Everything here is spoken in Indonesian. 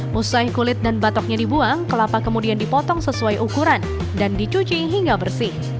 setelah kulit dan batoknya dibuang kelapa kemudian dipotong sesuai ukuran dan dicuci hingga bersih